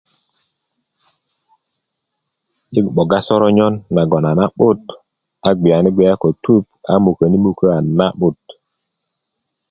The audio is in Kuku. Yi 'boga soronyon naŋ a na 'but a gbiyani gbiya ko tup a muköni mukö a na 'but